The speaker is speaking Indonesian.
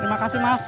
terima kasih mas